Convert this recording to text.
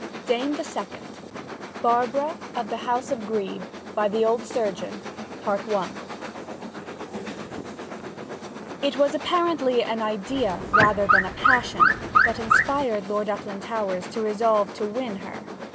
DAME THE SECOND BARBARA OF THE HOUSE OF GREBE By the Old Surgeon It was apparently an idea, rather than a passion, that inspired Lord Uplandtowers' resolve to win her.